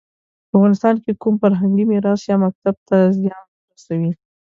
په افغانستان کې کوم فرهنګي میراث یا مکتب ته زیان ورسوي.